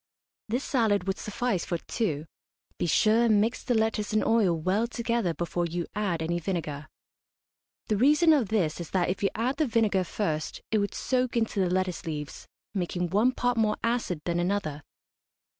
This salad would suffice for two. Be sure and mix the lettuce and oil well together before you add any vinegar. The reason of this is that if you add the vinegar first it would soak into the lettuce leaves, making one part more acid than another.